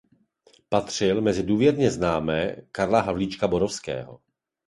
Patřil mezi důvěrné známé Karla Havlíčka Borovského.